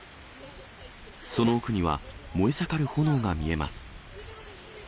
その奥には、燃え盛る炎が見えます。